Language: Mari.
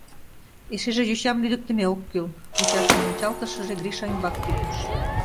— Эшеже йочам лӱдыктымӧ ок кӱл, — мучашлан ончалтышыже Гриша ӱмбак тӱкныш.